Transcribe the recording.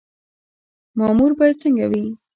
مامور باید څنګه وي؟